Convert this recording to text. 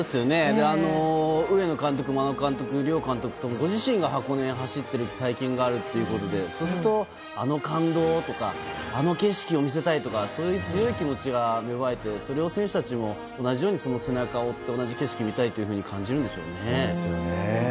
上野監督、真名子監督も両監督ご自身が箱根で走っている経験があるということでそうすると、あの感動とかあの景色を見せたいとかそういう強い気持ちが芽生えて選手たちも同じように背中を追って同じ景色を見たいと感じるんでしょうね。